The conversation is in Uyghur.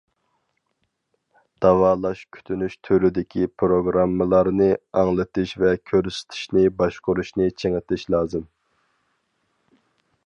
داۋالاش كۈتۈنۈش تۈرىدىكى پىروگراممىلارنى ئاڭلىتىش ۋە كۆرسىتىشنى باشقۇرۇشنى چىڭىتىش لازىم.